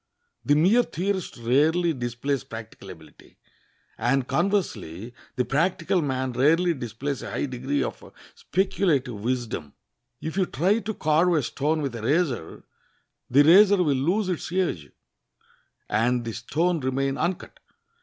The mere theorist rarely displays practical ability; and, conversely, the practical man rarely displays a high degree of speculative wisdom. If you try to carve a stone with a razor, the razor will lose its edge, and the stone remain uncut.